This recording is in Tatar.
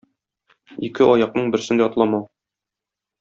Ике аякның берсен дә атламау.